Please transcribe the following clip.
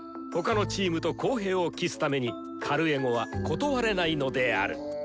他のチームと公平を期すためにカルエゴは断れないのである！